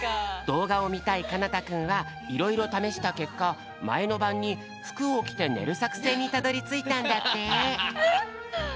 どうがをみたいかなたくんはいろいろためしたけっかまえのばんにふくをきてねるさくせんにたどりついたんだって。